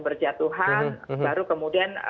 berjatuhan baru kemudian